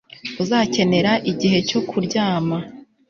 Uzakenera igihe cyo kuryama